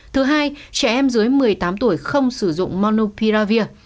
thứ hai trẻ em dưới một mươi tám tuổi không sử dụng manupiravir